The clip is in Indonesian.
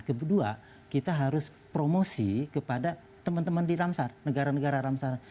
kedua kita harus promosi kepada teman teman di ramsar negara negara ramsar